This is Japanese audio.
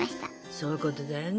そういうことだよね